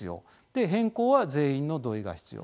で「変更」は全員の同意が必要。